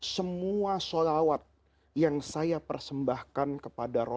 semua sholawat yang saya persembahkan kepada rasulullah